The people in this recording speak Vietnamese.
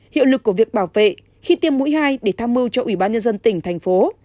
hiệu lực của việc bảo vệ khi tiêm mũi hai để tham mưu cho ủy ban nhân dân tỉnh thành phố